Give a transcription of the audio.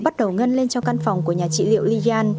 bắt đầu ngân lên trong căn phòng của nhà trị liệu liyan